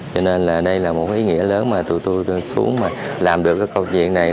và đây là một ý nghĩa lớn mà tụi tôi xuống mà làm được cái câu chuyện này